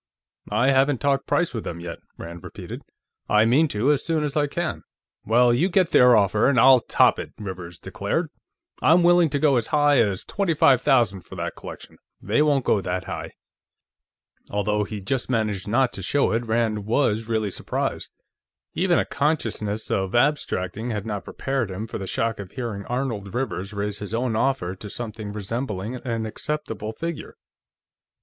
"I haven't talked price with them, yet," Rand repeated. "I mean to, as soon as I can." "Well, you get their offer, and I'll top it," Rivers declared. "I'm willing to go as high as twenty five thousand for that collection; they won't go that high." Although he just managed not to show it, Rand was really surprised. Even a consciousness of abstracting had not prepared him for the shock of hearing Arnold Rivers raise his own offer to something resembling an acceptable figure.